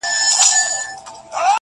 اوس به مي ستا پر کوڅه سمه جنازه تېرېږي!.